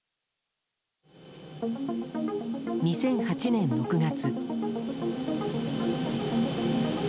２００８年６月。